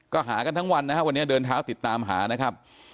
ก็หากันทั้งวันนะครับวันนี้เดินเท้าติดตามหานะครับ